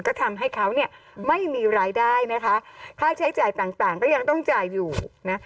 ก็ทำให้เขาเนี่ยไม่มีรายได้นะคะค่าใช้จ่ายต่างต่างก็ยังต้องจ่ายอยู่นะ